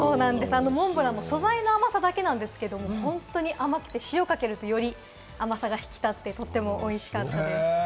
モンブランも素材の甘さだけなんですけれど、本当に甘くて塩をかけるとより甘さが引き立って美味しかったです。